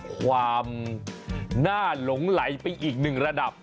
ความน่าหลงไหลไปอีกหนึ่งระดับ